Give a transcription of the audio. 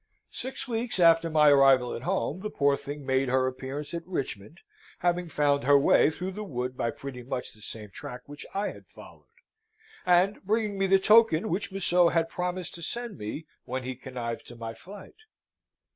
Six weeks after my arrival at home, the poor thing made her appearance at Richmond, having found her way through the wood by pretty much the same track which I had followed, and bringing me the token which Museau had promised to send me when he connived to my flight.